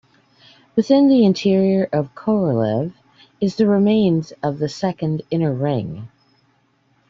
Within the interior of Korolev is the remains of a second, inner ring.